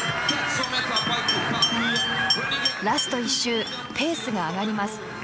ラスト１周ペースが上がります。